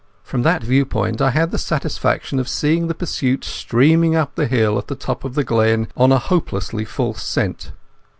From that viewpoint I had the satisfaction of seeing the pursuit streaming up the hill at the top of the glen on a hopelessly false scent.